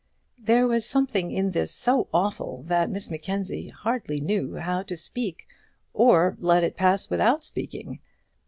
There was something in this so awful that Miss Mackenzie hardly knew how to speak, or let it pass without speaking.